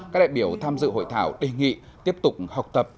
các đại biểu tham dự hội thảo đề nghị tiếp tục học tập